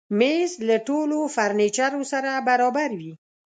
مېز له ټولو فرنیچرو سره برابر وي.